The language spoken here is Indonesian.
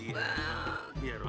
terima kasih ya allah